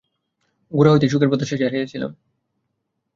গোড়া হইতেই সুখের প্রত্যাশা ছাড়িয়াছিলাম।